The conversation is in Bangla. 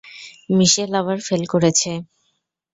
মিশেল আবার ফেল করেছে?